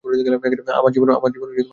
আমার জীবনও ততটাই!